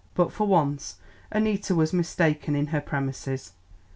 But for once Annita was mistaken in her premises.